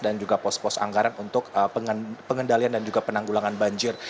dan juga pos pos anggaran untuk pengendalian dan penanggulangan banjir